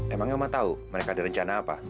emangnya mama tahu mereka ada rencana apa